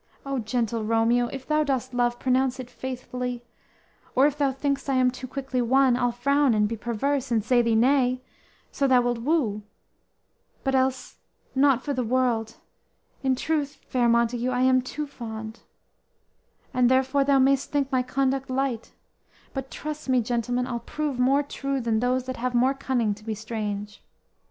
O, gentle Romeo, If thou dost love, pronounce it faithfully; Or, if thou think'st I am too quickly won, I'll frown and be perverse, and say thee nay, So thou wilt woo; but else, not for the world, In truth, fair Montague, I am too fond; And therefore thou may'st think my conduct light; But, trust me, gentleman, I'll prove more true Than those that have more cunning to be strange.